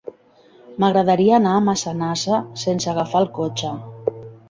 M'agradaria anar a Massanassa sense agafar el cotxe.